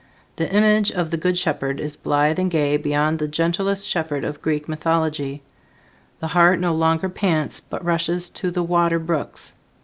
The image of the Good Shepherd is blithe and gay beyond the gentlest shepherd of Greek mythology; the hart no longer pants, but rushes to the water brooks.